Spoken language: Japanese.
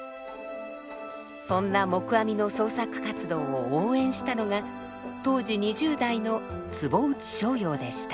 そんな黙阿弥の創作活動を応援したのが当時２０代の坪内逍遙でした。